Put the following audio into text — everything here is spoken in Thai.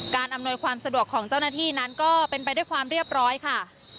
อำนวยความสะดวกของเจ้าหน้าที่นั้นก็เป็นไปด้วยความเรียบร้อยค่ะ